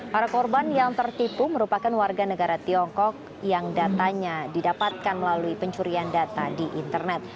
para korban yang tertipu merupakan warga negara tiongkok yang datanya didapatkan melalui pencurian data di internet